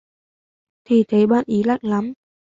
Thì thấy bạn ý lạnh lắm